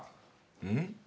うん？